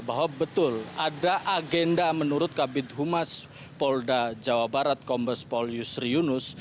bahwa betul ada agenda menurut kabit humas polda jawa barat kombes paulius riyunus